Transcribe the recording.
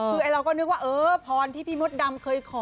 คือเราก็นึกว่าเออพรที่พี่มดดำเคยขอ